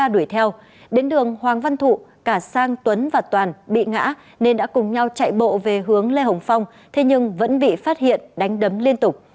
đến đường hoàng văn thụ cả sang tuấn và toàn bị ngã nên đã cùng nhau chạy bộ về hướng lê hồng phong thế nhưng vẫn bị phát hiện đánh đấm liên tục